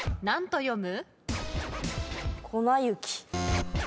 何と読む？